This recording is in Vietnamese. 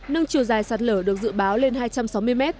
nâng chiều dài sạt lở được dự báo lên hai trăm sáu mươi m